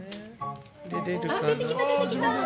出てきた、出てきた。